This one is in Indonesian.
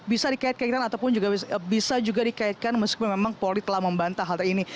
bisa dikaitkan ataupun juga bisa juga dikaitkan meskipun memang polri telah membantah hal ini